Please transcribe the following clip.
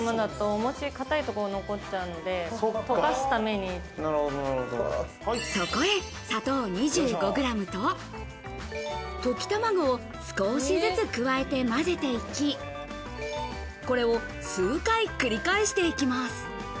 お餅の硬いとこが残っちゃうそこへ砂糖２５グラムと、溶き卵を少しずつ加えて混ぜていき、これを数回繰り返していきます。